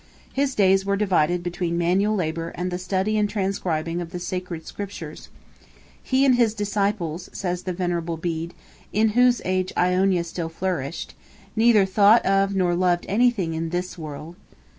His days were divided between manual labour and the study and transcribing of the Sacred Scriptures. He and his disciples, says the Venerable Bede, in whose age Iona still flourished, "neither thought of nor loved anything in this world."